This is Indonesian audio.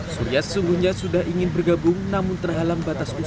surya sesungguhnya sudah ingin bergabung namun terhalang batas usia